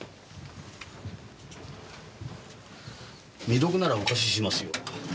未読ならお貸ししますよ。